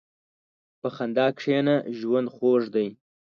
په خندا کښېنه، ژوند خوږ دی.